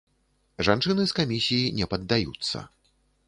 Жанчыны з камісіі не паддаюцца.